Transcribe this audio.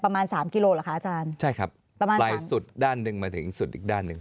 ประมาณสามกิโลเหรอคะอาจารย์ใช่ครับประมาณปลายสุดด้านหนึ่งมาถึงสุดอีกด้านหนึ่ง